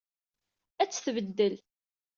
Ad t-tbeddel.